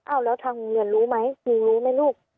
เอาแล้วทางโรงเรียนรู้ไหมนิงรู้ไหมลูก